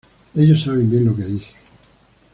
Ellos saben bien lo que dije".